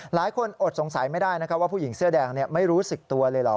อดสงสัยไม่ได้นะครับว่าผู้หญิงเสื้อแดงไม่รู้สึกตัวเลยเหรอ